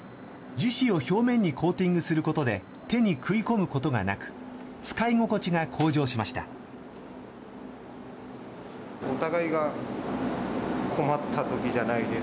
樹脂を表面にコーティングすることで手に食い込むことがなく、使い心地が向上しました。